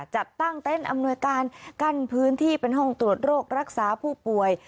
จัดตั้งเต้นอำนวยการกั้นพื้นที่เป็นห้องตรวจโรครักษาผู้ป่วย